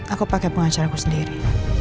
aku pakai pengacaraku sendiri